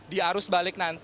di arus balik